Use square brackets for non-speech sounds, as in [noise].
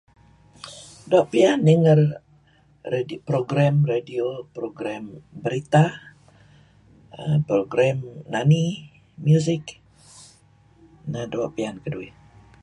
do pian nigar um radio program, radio program, berita aah program nani ,musik [silence] nah do pian kadu'uih.